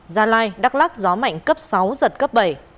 gia lai đắk lắc gió mạnh cấp sáu giật cấp bảy